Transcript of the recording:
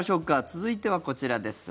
続いてはこちらです。